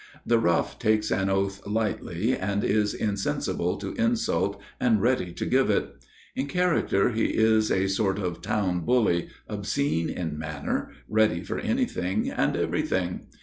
The rough takes an oath lightly and is insensible to insult and ready to give it. In character he is a sort of town bully, obscene in manner, ready for anything and everything.